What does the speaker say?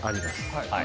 はい。